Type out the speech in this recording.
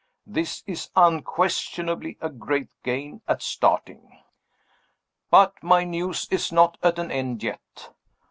This is unquestionably a great gain at starting. But my news is not at an end yet.